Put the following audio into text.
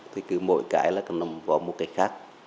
thì cứ mỗi cái là cần nằm vào một cái khác